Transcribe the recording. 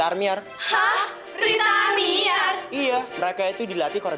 ampun ampun ampun